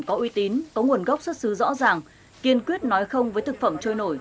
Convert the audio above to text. có uy tín có nguồn gốc xuất xứ rõ ràng kiên quyết nói không với thực phẩm trôi nổi